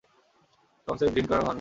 কমসেকম ড্রিংক করার ভান কর।